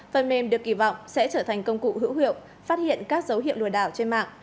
phần mềm được kỳ vọng sẽ trở thành công cụ hữu hiệu phát hiện các dấu hiệu lừa đảo trên mạng